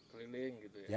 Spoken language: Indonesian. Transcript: keliling gitu ya